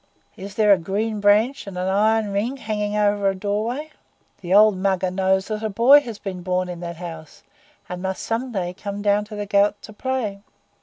Is there a green branch and an iron ring hanging over a doorway? The old Mugger knows that a boy has been born in that house, and must some day come down to the Ghaut to play.